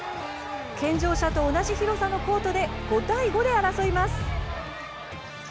健常者と同じ広さのコートで５対５で争います。